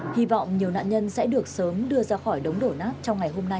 hy vọng nhiều nạn nhân sẽ được sớm đưa ra khỏi đống đổ nát trong ngày hôm nay